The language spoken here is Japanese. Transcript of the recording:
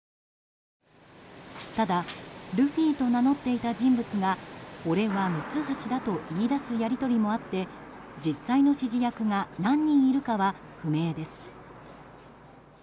ただルフィと名乗っていた人物が「俺は三ツ橋だ」と言い出すやり取りもあって実際の指示役が何人いるかは不明です。